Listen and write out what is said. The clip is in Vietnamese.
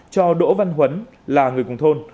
cho đỗ văn huấn là người cùng thôn